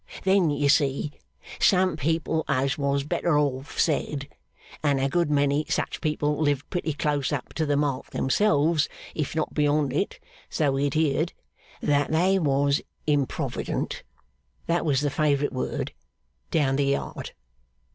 Then you see, some people as was better off said, and a good many such people lived pretty close up to the mark themselves if not beyond it so he'd heerd, that they was 'improvident' (that was the favourite word) down the Yard.